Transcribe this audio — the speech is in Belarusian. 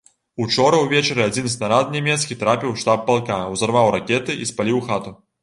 Учора ўвечары адзін снарад нямецкі трапіў у штаб палка, узарваў ракеты і спаліў хату.